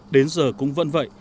đến giờ cũng vẫn vậy